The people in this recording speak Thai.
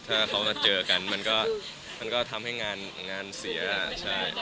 ถ้าเขาเจอกันมันก็ทำให้งานเสีย